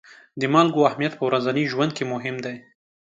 د مالګو اهمیت په ورځني ژوند کې مهم دی.